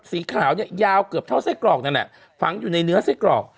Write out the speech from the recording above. สีขาวเนี่ยยาวเกือบเท่าไส้กรอกนั่นแหละฝังอยู่ในเนื้อไส้กรอก